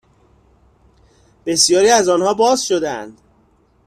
بسیاری از آنها باز شدهاند